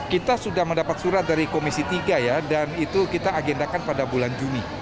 kita sudah mendapat surat dari komisi tiga ya dan itu kita agendakan pada bulan juni